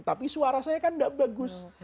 tapi suara saya kan tidak bagus